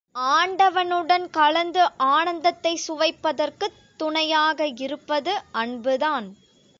ஆண்டவனுடன் கலந்து ஆனந்தத்தைச் சுவைப்பதற்குத் துணையாக இருப்பது அன்புதான்.